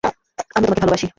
আমিও তোমাকে ভালবাসি।